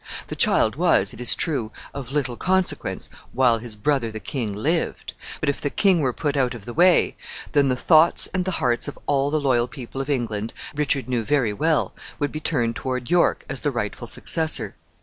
The child was, it is true, of little consequence while his brother the king lived; but if the king were put out of the way, then the thoughts and the hearts of all the loyal people of England, Richard knew very well, would be turned toward York as the rightful successor.